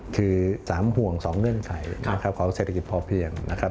คือสามห่วงสองเงื่อนไขของเศรษฐกิจพอเพียงนะครับ